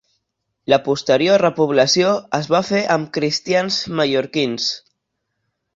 La posterior repoblació es va fer amb cristians mallorquins.